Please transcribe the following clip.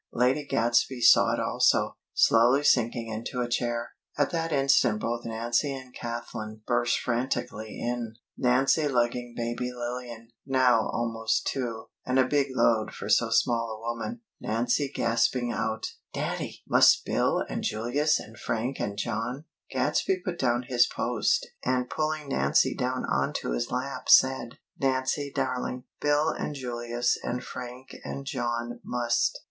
Lady Gadsby saw it also, slowly sinking into a chair. At that instant both Nancy and Kathlyn burst frantically in, Nancy lugging Baby Lillian, now almost two, and a big load for so small a woman, Nancy gasping out: "Daddy!! Must Bill and Julius and Frank and John, " Gadsby put down his "Post" and, pulling Nancy down onto his lap, said: "Nancy darling, Bill and Julius and Frank and John must.